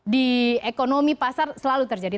di ekonomi pasar selalu terjadi